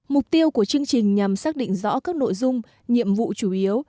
mục tiêu của chương trình nhằm xác định rõ các nội dung nhiệm vụ chủ yếu